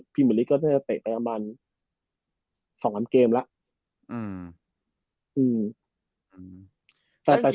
พี่บริกก็จะเตะประมาณ๒๐๐๐เกมแล้ว